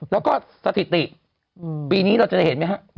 แล้วก็สถิติปีนี้เราจะเห็นไหมครับ